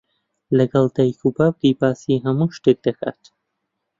لەگەڵ دایک و باوکی باسی هەموو شتێک دەکات.